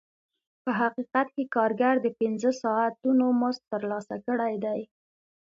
په حقیقت کې کارګر د پنځه ساعتونو مزد ترلاسه کړی دی